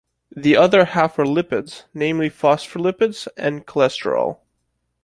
The other half are lipids, namely phospholipids and cholesterol.